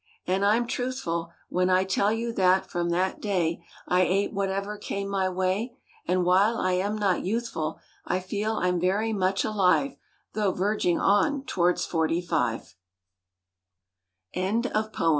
And I'm truthful 6o When I tell you that from that day I ate whatever came my way; And while I am not youthful I feel I'm very much alive Though verging on towards forty five JEVVER MOVE?